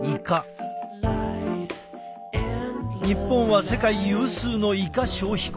日本は世界有数のイカ消費国。